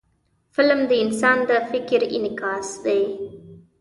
فلم د انسان د فکر انعکاس دی